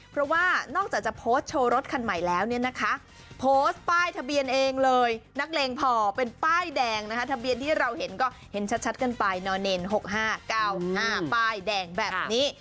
เพราะว่านอกจากจะโพสต์โชว์รถคันใหม่แล้วเนี่ยนะคะโพสต์ป้ายทะเบียนเองเลยนักเลงพอเป็นป้ายแดงนะคะทะเบียนที่เราเห็นก็เห็นชัดกันไปนอเนน๖๕๙๕ป้ายแดงแบบนี้